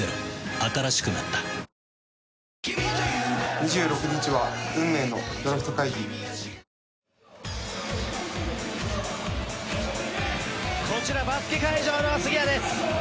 新しくなったこちらバスケ会場の杉谷です。